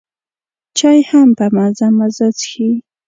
چای هم په مزه مزه څښي.